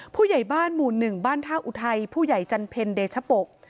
ผู้ใหญ่บ้านหมู่๑บ้านท่าอุทัยผู้ใหญ่จันเพ็ญเดชปก